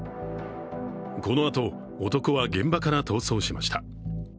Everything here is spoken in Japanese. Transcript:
このあと、男は現場から逃走しました。